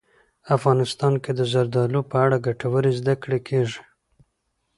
افغانستان کې د زردالو په اړه ګټورې زده کړې کېږي.